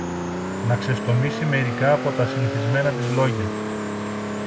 να ξεστομίσει μερικά από τα συνηθισμένα της λόγια.